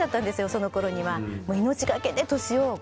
そのころには。